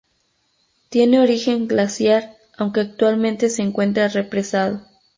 Tiene origen glaciar, aunque actualmente se encuentra represado.